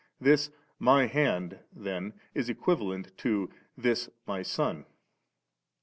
This * My Hand ' then is equivalent to * This My Son.' 27.